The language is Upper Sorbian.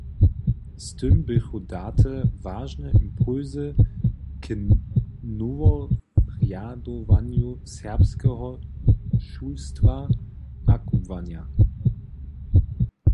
Z tym běchu date wažne impulsy k noworjadowanju serbskeho šulstwa a kubłanja.